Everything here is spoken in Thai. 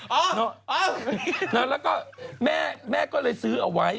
แล้วก็แม่ก็เลยซื้อเอาไว้